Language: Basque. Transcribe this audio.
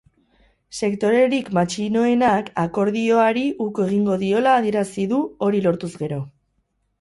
Sektorerik matxinoenak akordioari uko egingo diola adierazi du, hori lortuz gero.